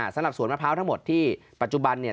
สำหรับสวนมะพร้าวทั้งหมดที่ปัจจุบันเนี่ย